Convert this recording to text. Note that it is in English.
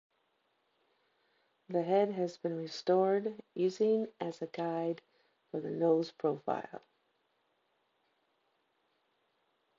The head has been restored, using a as a guide for the nose's profile.